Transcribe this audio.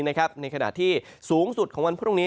ในขณะที่สูงสุดของวันพรุ่งนี้